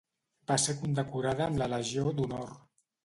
Va ser condecorada amb la Legió d'Honor.